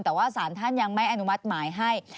แต่ว่าสารท่านยังไม่อนุมัติหมายให้